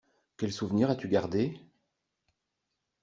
Quel souvenir as-tu gardé?